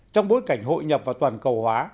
trong bối cảnh hội nhập và toàn cầu hóa